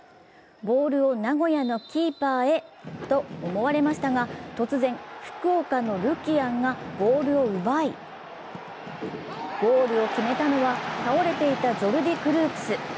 ボールを名古屋のキーパーへと思われました、突然、福岡のルキアンがボールを奪い、ゴールを決めたのは、倒れていたジョルディ・クルークス。